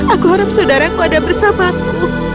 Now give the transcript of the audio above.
aku harap saudaraku ada bersamaku